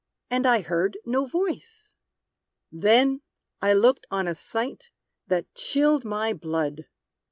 and I heard no voice! Then I looked on a sight that chilled my blood!